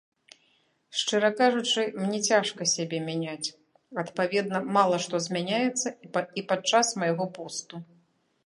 Шчыра кажучы, мне цяжка сябе мяняць, адпаведна, мала што змяняецца і падчас майго посту.